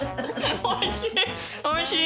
おいしい！